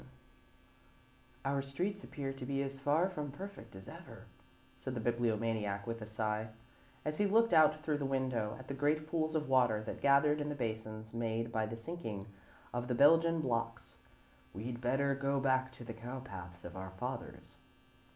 VII "Our streets appear to be as far from perfect as ever," said the Bibliomaniac with a sigh, as he looked out through the window at the great pools of water that gathered in the basins made by the sinking of the Belgian blocks. "We'd better go back to the cowpaths of our fathers."